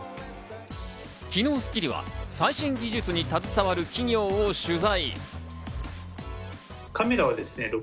昨日『スッキリ』は最新技術に携わる企業を取材。